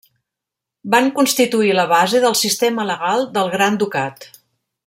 Van constituir la base del sistema legal del Gran Ducat.